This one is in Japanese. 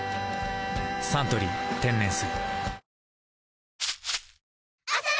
「サントリー天然水」